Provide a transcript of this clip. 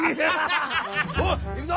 おい行くぞ！